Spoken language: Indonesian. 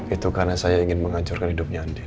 itu karena saya ingin menghancurkan hidupnya andi